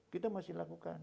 kita masih lakukan